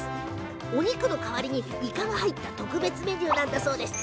お肉の代わりにイカが入った特別メニューなんだって。